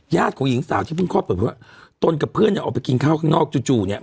ของหญิงสาวที่เพิ่งคลอดเปิดว่าตนกับเพื่อนเนี่ยออกไปกินข้าวข้างนอกจู่จู่เนี่ย